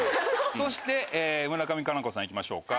そして村上佳菜子さん行きましょうか。